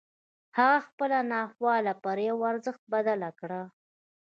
هغه خپله ناخواله پر يوه ارزښت بدله کړه.